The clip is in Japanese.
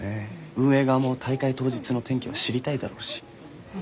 運営側も大会当日の天気は知りたいだろうし。